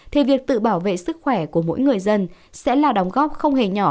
thì việc tự bảo vệ sức khỏe của mỗi người dân sẽ là đóng góp không hề nhỏ